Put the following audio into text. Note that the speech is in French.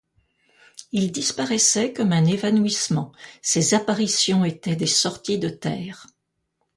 Il disparaissait comme un évanouissement; ses apparitions étaient des sorties de terre.